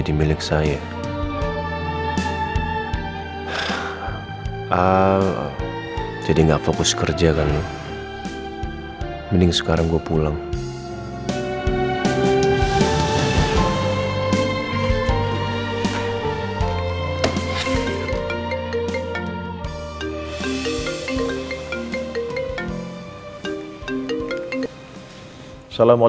danik di sebelah